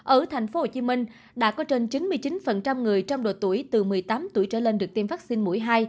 ở thành phố hồ chí minh đã có trên chín mươi chín người trong độ tuổi từ một mươi tám tuổi trở lên được tiêm vaccine mũi hai